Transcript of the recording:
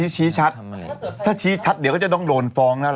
ชี้ชัดถ้าชี้ชัดเดี๋ยวก็จะต้องโดนฟ้องแล้วเหรอ